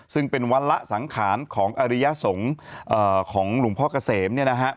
ซึ่งเป็นวัลละสังขารของอริยสงฆ์ของหลุงพ่อกเกษม